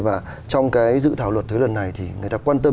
và trong cái dự thảo luật thuế lần này thì người ta quan tâm